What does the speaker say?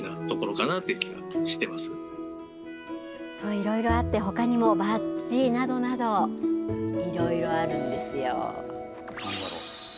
いろいろあってほかにもバッジなどなどいろいろあるんですよ。